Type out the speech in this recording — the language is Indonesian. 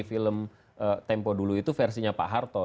film tempo dulu itu versinya pak harto